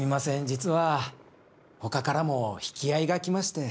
実はほかからも引き合いが来まして。